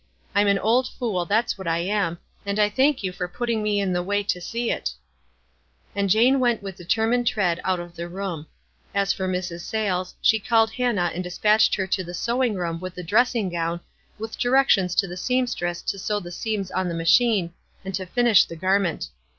I'm an old fool, that's what I am, and I thank you for putting me in the way to see it." And Jane went with determined tread out of the room. As for Mrs. Sayles, she called Han aah and dispatched her to the sewing room with the dressing gown, with directions to the seam stress to sew the seams on the machine, and to finish the garment.